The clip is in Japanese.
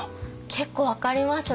結構分かりますね。